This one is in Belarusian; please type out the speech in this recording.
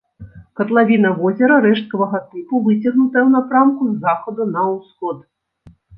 Катлавіна возера рэшткавага тыпу, выцягнутая ў напрамку з захаду на ўсход.